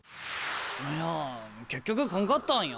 いや結局来んかったんや。